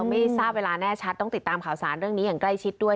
ไม่ทราบเวลาแน่ชัดต้องติดตามข่าวสารเรื่องนี้อย่างใกล้ชิดด้วย